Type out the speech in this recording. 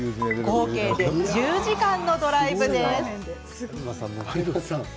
計１０時間のドライブなんです。